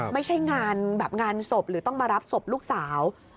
ไม่ใช่งานสบหรือต้องมารับสบลูกสาว